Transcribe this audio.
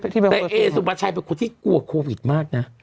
แต่เอสุปชัยเป็นคนที่กลัวโควิดมากนะ